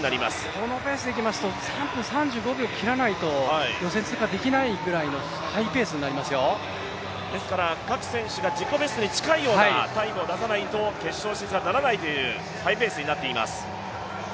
このペースでいきますと３分３５秒切らないと、予選を通過できないくらいの各選手が自己ベストに近いようなタイムを出さないと決勝進出はならないというハイペースになっています。